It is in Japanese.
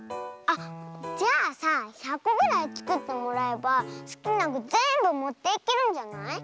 あっじゃあさ１００こぐらいつくってもらえばすきなぐぜんぶもっていけるんじゃない？